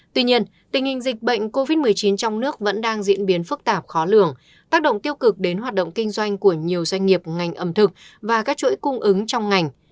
tuy nhiên tình hình dịch bệnh covid một mươi chín trong nước vẫn đang diễn biến phức tạp khó lường tác động tiêu cực đến hoạt động kinh doanh của nhiều doanh nghiệp ngành ẩm thực và các chuỗi cung ứng trong ngành